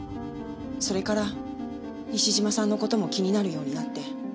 それから西島さんの事も気になるようになって。